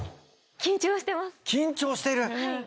緊張してる⁉はい。